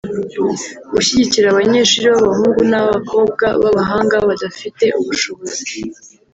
gushyigikira abanyeshuri b’abahungu n’abakobwa b’abahanga badafite ubushobozi